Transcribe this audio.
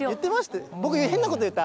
僕、変なこと言った？